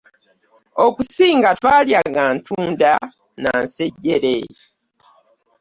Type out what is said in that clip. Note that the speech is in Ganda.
Okusinga twalyanga ntunda na nsejjere.